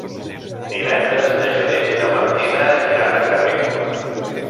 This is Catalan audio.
Divendres na Judit i na Martina iran a Carrícola.